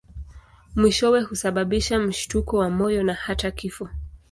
Mwishowe husababisha mshtuko wa moyo na hata kifo.